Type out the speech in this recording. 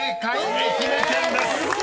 「愛媛県」です］